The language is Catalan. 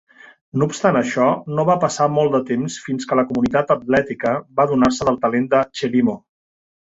No obstant això, no va passar molt de temps fins que la comunitat atlètica va adonar-se del talent de Chelimo.